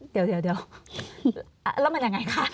เดี๋ยวแล้วมันยังไงคะ